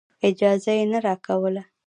اجازه یې نه راکوله.